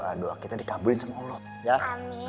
biar doa kita dikabulin sama allah